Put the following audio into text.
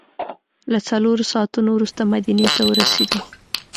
له څلورو ساعتو وروسته مدینې ته ورسېدو.